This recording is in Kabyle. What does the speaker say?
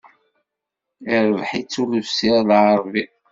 Irbeḥ-itt Ulebsir Lɛarbi.